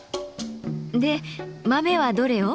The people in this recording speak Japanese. で豆はどれを？